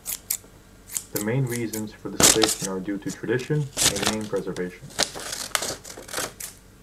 The main reasons for this placement are due to tradition and name preservation.